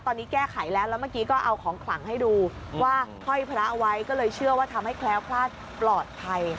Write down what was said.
ตอนนี้แก้ไขแล้วแล้วเมื่อกี้ก็เอาของขลังให้ดูว่าห้อยพระเอาไว้ก็เลยเชื่อว่าทำให้แคล้วคลาดปลอดภัย